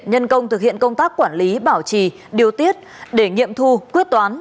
nhân công thực hiện công tác quản lý bảo trì điều tiết để nghiệm thu quyết toán